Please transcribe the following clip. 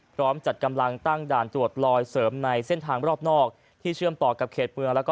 จัดกำลังตั้งด่านตรวจลอยเสริมในเส้นทางรอบนอกที่เชื่อมต่อกับเขตเมือง